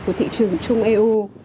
của thị trường chung eu